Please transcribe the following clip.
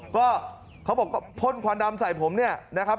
ก็เขาบอกพ่นควันดำใส่ผมเนี่ยนะครับ